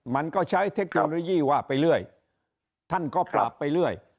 มันก็ใช้เทคโนโลยีว่าไปเรื่อยท่านก็ปรับไปเรื่อย